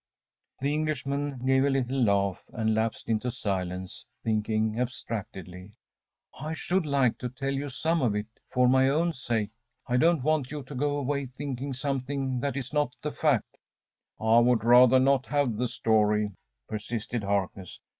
‚ÄĚ The Englishman gave a little laugh, and lapsed into silence thinking abstractedly. “I should like to tell you some of it, for my own sake. I don't want you to go away thinking something that is not the fact.‚ÄĚ “I would rather not have the story,‚ÄĚ persisted Harkness.